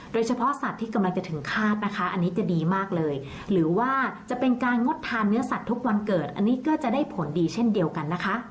สัตว์ที่กำลังจะถึงคาดนะคะอันนี้จะดีมากเลยหรือว่าจะเป็นการงดทานเนื้อสัตว์ทุกวันเกิดอันนี้ก็จะได้ผลดีเช่นเดียวกันนะคะ